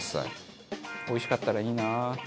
おいしかったらいいな。